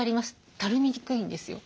たるみにくいんですよ。